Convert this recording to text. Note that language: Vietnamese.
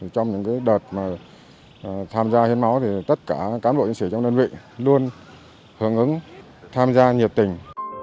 trong những đợt tham gia hiến máu thì tất cả cán bộ chiến sĩ trong đơn vị luôn hướng ứng tham gia nhiệt tình